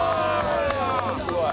すごい。